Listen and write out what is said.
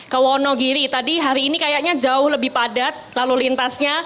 ke wonogiri tadi hari ini kayaknya jauh lebih padat lalu lintasnya